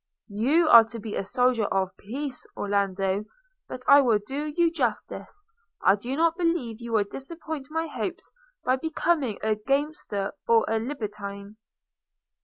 'You are to be a soldier of peace, Orlando; but I will do you justice, I do not believe you will disappoint my hopes by becoming a gamester or a libertine.'